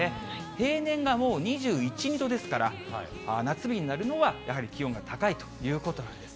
平年がもう２１、２度ですから、夏日になるのは、やはり気温が高いということなんです。